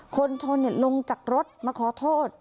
คนชนลงจากรถมาขอโทษ